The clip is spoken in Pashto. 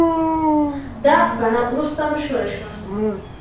دا بڼه وروسته مشهوره شوه.